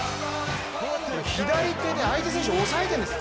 左手で、相手選手を抑えているんです。